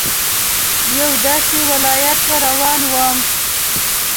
یوه داسې ولايت ته روان وم.